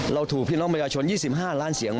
ถูกพี่น้องประชาชน๒๕ล้านเสียง